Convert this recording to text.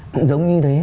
cũng giống như thế